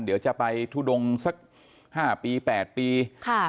เดี๋ยวจะไปทุดงสัก๕ปี๘ปีค่ะ